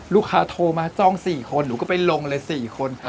โทรมาจ้อง๔คนหนูก็ไปลงเลย๔คน